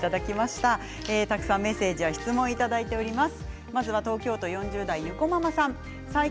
たくさんメッセージや質問をいただいております。